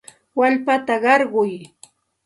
Wallpata qarquy.